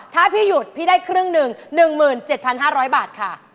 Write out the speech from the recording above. ถ้าพี่หยุดพี่ได้ครึ่งหนึ่ง๑๗๕๐๐บาทค่ะ